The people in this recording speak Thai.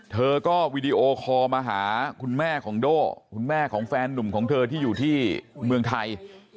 เธอก็วีดีโอคอลมาหาคุณแม่ของโด่คุณแม่ของแฟนนุ่มของเธอที่อยู่ที่เมืองไทย